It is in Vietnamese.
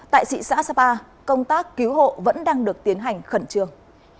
tại thị xã sapa công tác cứu hộ vẫn đang được tiến hành khẩn trương